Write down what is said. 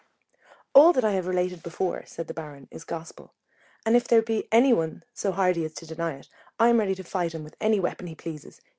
_ All that I have related before, said the Baron, is gospel; and if there be any one so hardy as to deny it, I am ready to fight him with any weapon he pleases.